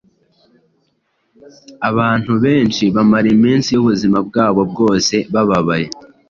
Abantu benshi bamara iminsi y’ubuzima bwabo bwose bababaye